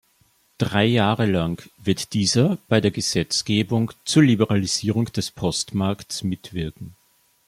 Drei Jahre lang wird dieser bei der Gesetzgebung zur Liberalisierung des Postmarkts mitwirken.